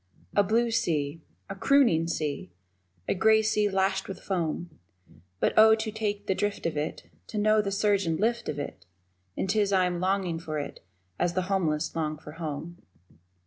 A blue sea a crooning sea A grey sea lashed with foam But, Oh, to take the drift of it, To know the surge and lift of it, And 'tis I am longing for it as the homeless long for home.